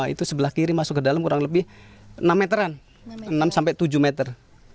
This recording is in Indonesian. itu sebelah kiri masuk ke dalam kurang lebih enam meteran enam sampai tujuh meter